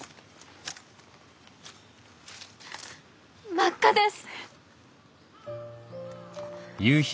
真っ赤です！